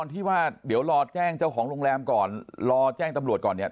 ที่ว่าเดี๋ยวรอแจ้งเจ้าของโรงแรมก่อนรอแจ้งตำรวจก่อนเนี่ย